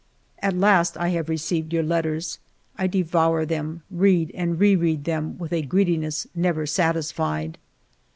At last I have received your letters; I devour them, read and re read them, with a greediness never satisfied.